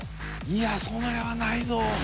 いやそれはないぞ。